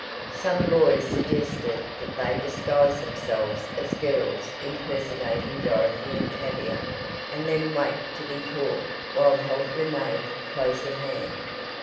Some boys suggested that they disguise themselves as girls impersonating Dorothy and Tavia, and then wait to be "caught" while help remained close at hand.